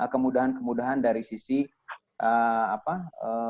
kemudahan kemudahan dari pemerintah